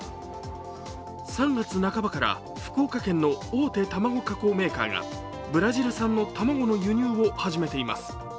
３月半ばから福岡県の大手卵加工メーカーがブラジル産の卵の輸入を始めています。